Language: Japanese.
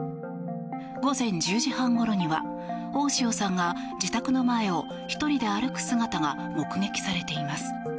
午前１０時半ごろには大塩さんが自宅の前を１人で歩く姿が目撃されています。